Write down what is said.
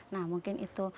nah mungkin itu